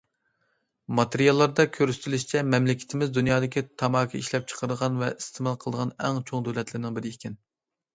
ماتېرىياللاردا كۆرسىتىلىشىچە، مەملىكىتىمىز دۇنيادىكى تاماكا ئىشلەپچىقىرىدىغان ۋە ئىستېمال قىلىدىغان ئەڭ چوڭ دۆلەتلەرنىڭ بىرى ئىكەن.